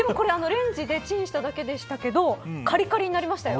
レンジでチンしただけですけどカリカリになりましたよ